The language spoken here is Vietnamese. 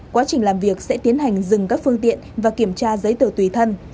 quá trình làm việc sẽ tiến hành dừng các phương tiện và kiểm tra giấy tờ tùy thân